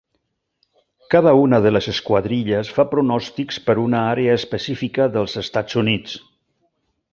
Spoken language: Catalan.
Cada una de les esquadrilles fa pronòstics per una àrea específica dels Estats Units.